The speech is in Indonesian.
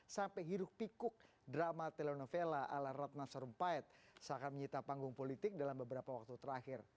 sampai hiruk pikuk drama telenovela ala ratna sarumpait seakan menyita panggung politik dalam beberapa waktu terakhir